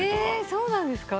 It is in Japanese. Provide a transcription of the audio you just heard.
そうなんですか？